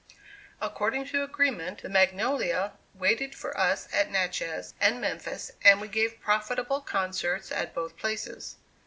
According to agreement, the "Magnolia" waited for us at Natchez and Memphis, and we gave profitable concerts at both places.